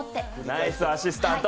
ナイスアシスタント。